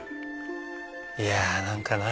いや何かなぁ。